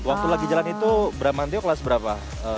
waktu lagi jalan itu berapa manteo kelas berapa